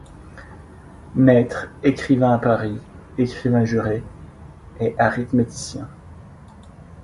Maître écrivain à Paris, écrivain juré et arithméticien.